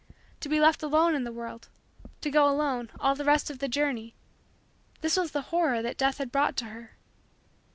To be left alone in the world to go, alone, all the rest of the journey this was the horror that Death brought to her.